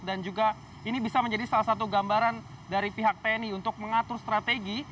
juga ini bisa menjadi salah satu gambaran dari pihak tni untuk mengatur strategi